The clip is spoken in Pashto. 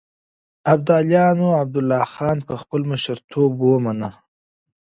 ابداليانو عبدالله خان په خپل مشرتوب ومنه.